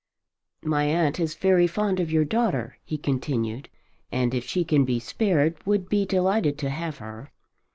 "My aunt is very fond of your daughter," he continued, "and if she can be spared would be delighted to have her.